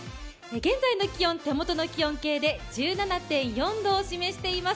現在の気温、手元の気温計で１７．４度を示しています。